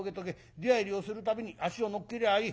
出はいりをする度に足を乗っけりゃいい。